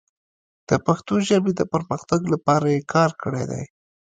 د پښتو ژبې د پرمختګ لپاره یې کار کړی دی.